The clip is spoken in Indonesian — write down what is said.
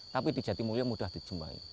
tapi di jatimulyo mudah dijumpai